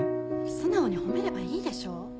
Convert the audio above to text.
素直に褒めればいいでしょ。